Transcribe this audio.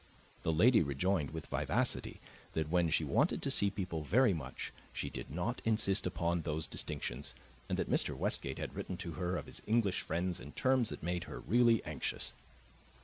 The lady rejoined, with vivacity, that when she wanted to see people very much she did not insist upon those distinctions, and that Mr. Westgate had written to her of his English friends in terms that made her really anxious.